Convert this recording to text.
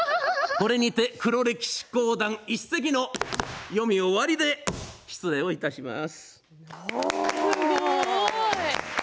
これにて黒歴史講談一席の終わりで失礼いたします。